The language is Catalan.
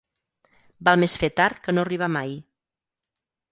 Val més fer tard que no arribar mai.